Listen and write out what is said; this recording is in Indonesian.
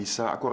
ya aku juga